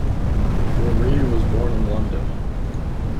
Frere was born in London.